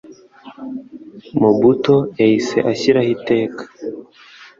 Mobutu yahise ashyiraho iteka